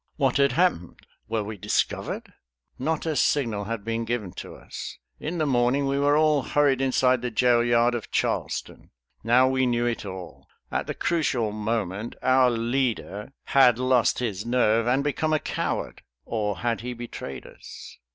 What had happened? Were we discovered? Not a signal had been given to us. In the morning we were all hurried inside the jail yard of Charleston. Now we knew it all. At the crucial moment our leader had lost his nerve and become a coward; or had he betrayed us?